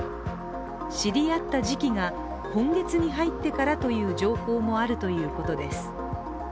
知り合った時期が、今月に入ってからという情報もあるということです。